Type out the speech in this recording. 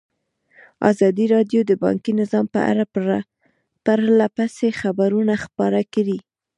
ازادي راډیو د بانکي نظام په اړه پرله پسې خبرونه خپاره کړي.